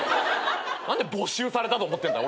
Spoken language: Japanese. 何で没収されたと思ってんだ俺に。